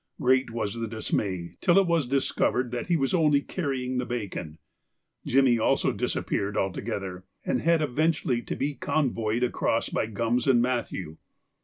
Great was the dismay till it was discovered that he was only carrying the bacon. Jimmy also disappeared altogether, and had eventually to be convoyed across by Gums and Matthew.